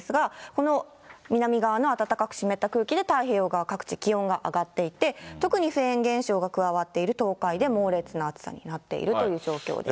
この南側の暖かく湿った空気で、太平洋側各地気温が上がっていて、特にフェーン現象が加わっている東海で猛烈な暑さになっているという状況です。